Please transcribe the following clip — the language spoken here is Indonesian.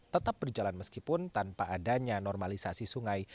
tetap berjalan meskipun tanpa adanya normalisasi sungai